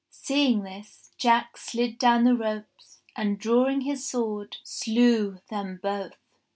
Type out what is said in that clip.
Seeing this, Jack slid down the ropes, and drawing his sword, slew them both.